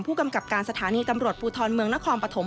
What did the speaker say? ผู้กำกับการสถานีตำรวจภูทรเมืองนครปฐม